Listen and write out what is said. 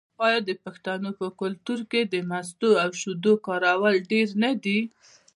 آیا د پښتنو په کلتور کې د مستو او شیدو کارول ډیر نه دي؟